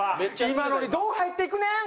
今のにどう入っていくねん？